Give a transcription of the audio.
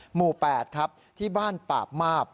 หมู่๘ครับที่บ้านปาบมาบ